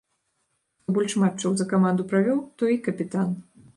Хто больш матчаў за каманду правёў, той і капітан.